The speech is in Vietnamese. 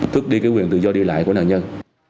thức đi cái quyền tự do đi lại của nạn nhân